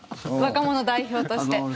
若者代表として。